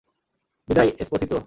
বিদায়, এসপোসিতো।